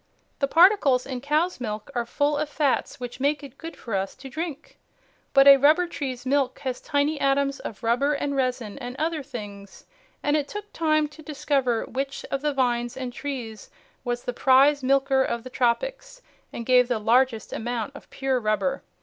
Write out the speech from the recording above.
The particles in cow's milk are full of fats which make it good for us to drink. But a rubber tree's milk has tiny atoms of rubber and resin and other things, and it took time to discover which of the vines and trees was the prize milker of the tropics and gave the largest amount of pure rubber.